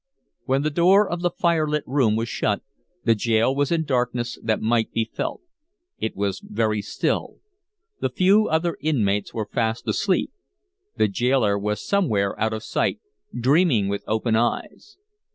When the door of the firelit room was shut, the gaol was in darkness that might be felt. It was very still: the few other inmates were fast asleep; the gaoler was somewhere out of sight, dreaming with open eyes.